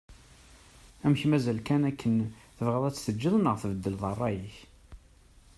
Amek mazal kan akken tebɣiḍ ad tt-teǧǧeḍ neɣ dayen tbeddleḍ rray-ik?